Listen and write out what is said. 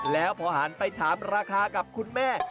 แล้วพอหันไปถามราคากับคุณแม่